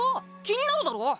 気になるだろ？